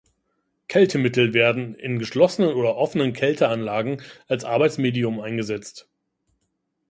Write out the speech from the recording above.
Kältemittel werden in geschlossenen oder offenen Kälteanlagen als Arbeitsmedium eingesetzt.